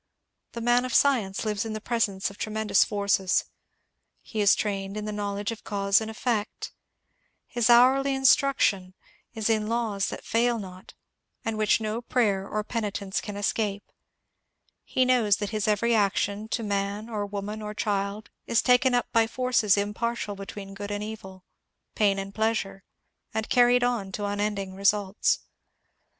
The man of science lives in the presence of tremendous forces ; he is trained in the knowledge of cause and effect ; his hourly instruction is in laws that £ul not and POPULAR REVERENCE FOR SCIENCE 363 which no prayer nor penitence can escape ; he knows that his every action to man or woman or child is taken up by forces impartial between good and evil, pain and pleasure, and car ried on to unending results.